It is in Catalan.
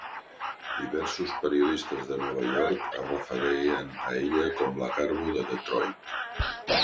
Diversos periodistes de Nova York es referien a ella com la "Garbo de Detroit".